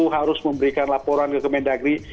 harus memberikan laporan ke kemen dagri